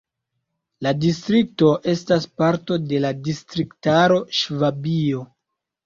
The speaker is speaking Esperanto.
La distrikto estas parto de la distriktaro Ŝvabio.